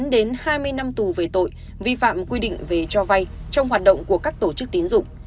một mươi chín đến hai mươi năm tù về tội vi phạm quy định về cho vay trong hoạt động của các tổ chức tín dụng